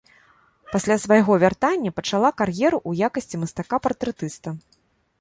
Пасля свайго вяртання пачалакар'еру ў якасці мастака-партрэтыста.